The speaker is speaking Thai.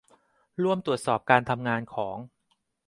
ร่วมตรวจสอบการทำงานของ